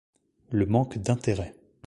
Le manque d’intérêt.